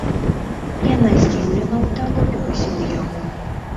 Яна здзіўлена ўтаропілася ў яго.